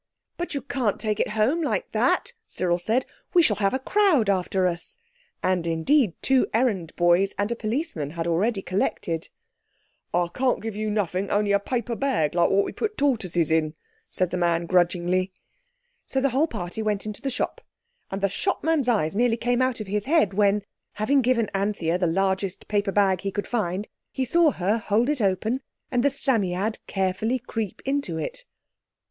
"But you can't take it home like that," Cyril said, "we shall have a crowd after us," and indeed two errand boys and a policeman had already collected. "I can't give you nothink only a paper bag, like what we put the tortoises in," said the man grudgingly. So the whole party went into the shop, and the shopman's eyes nearly came out of his head when, having given Anthea the largest paper bag he could find, he saw her hold it open, and the Psammead carefully creep into it.